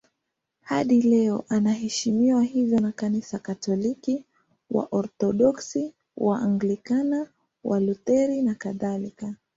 Hadi leo anaheshimiwa hivyo na Kanisa Katoliki, Waorthodoksi, Waanglikana, Walutheri nakadhalika.